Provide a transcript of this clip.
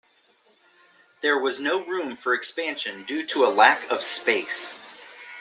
There was no room for expansion due to a lack of space.